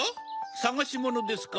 さがしものですか？